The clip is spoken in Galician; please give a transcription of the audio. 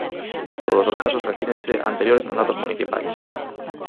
Todos os casos refírense a anteriores mandatos municipais.